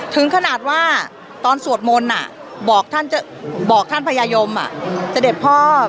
ถึงขนาดว่าตอนสวดมนต์บอกท่านพญายมเสด็จพ่อ